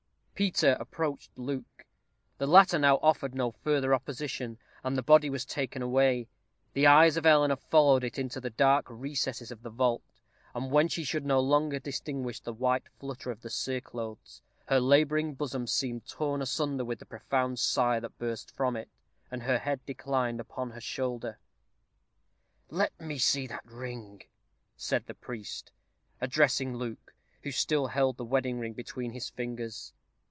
Peter approached Luke. The latter now offered no further opposition, and the body was taken away. The eyes of Eleanor followed it into the dark recesses of the vault; and when she could no longer distinguish the white flutter of the cereclothes, her laboring bosom seemed torn asunder with the profound sigh that burst from it, and her head declined upon her shoulder. "Let me see that ring," said the priest, addressing Luke, who still held the wedding ring between his fingers.